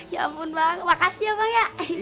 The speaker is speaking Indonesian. ya ampun bang makasih ya bang ya